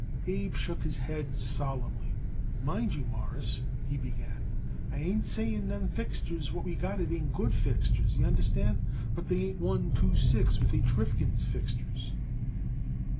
Abe shook his head solemnly. "Mind you, Mawruss," he began, "I ain't saying them fixtures what we got it ain't good fixtures, y'understand; but they ain't one, two, six with H. Rifkin's fixtures."